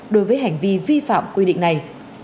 đối với hành vi vi phạm quy định này